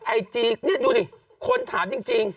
ไอจีนี่ดูดิคนถามจริง